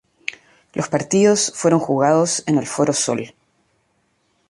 Los partidos fueron jugados en el Foro Sol.